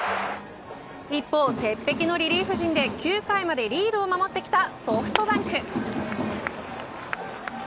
一方、鉄壁のリリーフ陣で９回までリードを守ってきたソフトバンク。